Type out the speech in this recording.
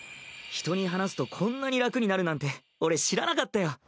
人に話すとこんなに楽になるなんて俺知らなかったよ。